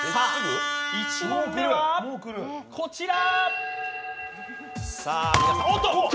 １問目は、こちら。